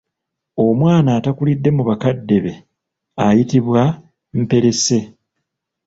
Omwana atakulidde mu bakadde be ayitibwa Mperese.